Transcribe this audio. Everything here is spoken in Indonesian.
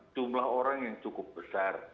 jumlah orang yang cukup besar